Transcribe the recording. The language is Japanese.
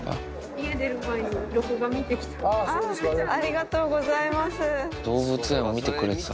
家出る前に、録画見てきた。